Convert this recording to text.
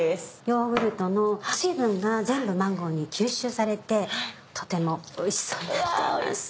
ヨーグルトの水分が全部マンゴーに吸収されてとてもおいしそうになっています。